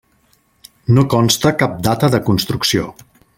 No consta cap data de construcció.